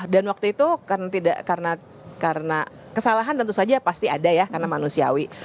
dan waktu itu karena kesalahan tentu saja pasti ada ya karena manusiawi